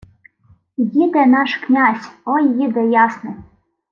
Їде наш князь, ой їде ясний